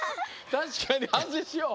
たしかにはんせいしよう。